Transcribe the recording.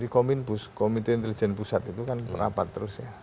komite intelijen pusat itu kan merapat terus ya